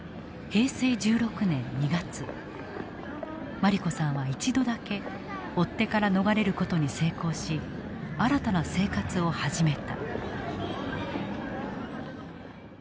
茉莉子さんは一度だけ追っ手から逃れる事に成功し新たな生活を始めた。